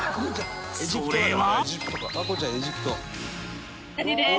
それは